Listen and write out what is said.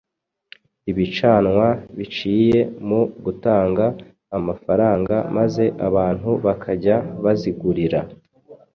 ibicanwa biciye mu gutanga amafaranga maze abantu bakajya bazigurira